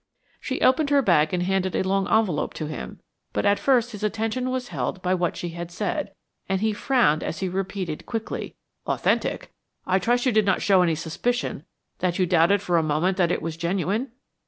She opened her bag and handed a long envelope to him, but at first his attention was held by what she had said, and he frowned as he repeated quickly: "'Authentic?' I trust you did not show any suspicion that you doubted for a moment that it was genuine?"